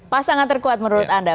pasangan terkuat menurut anda